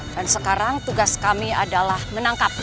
dan sekarang tugas kami adalah menangkapmu